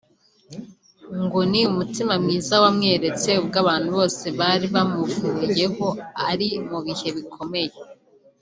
ngo ni umutima mwiza yamweretse ubwo abantu bose bari bamuvuyeho ari mu bihe bikomeye